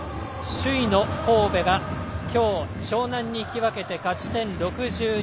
首位の神戸が今日、湘南に引き分けて勝ち点６２。